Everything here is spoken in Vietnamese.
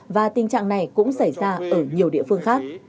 và tình trạng này cũng xảy ra ở nhiều địa phương khác